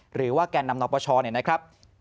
หรือว่าการนำนอบประชา